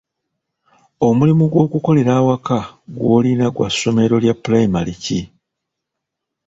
Omulimu gw'okukolera awaka gw'olina gwa ssomero lya pulayimale ki?